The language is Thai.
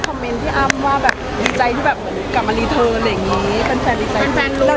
เขาเป็นชีวิตสังคมดูใช่อย่างนั้นแล้ว